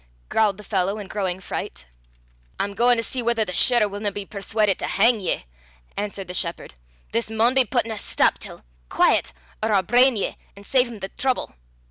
growled the fellow in growing fright. "I'm gauin' to see whether the shirra' winna be perswaudit to hang ye," answered the shepherd. "This maun be putten a stap till. Quaiet! or I'll brain ye, an' save him the trouble.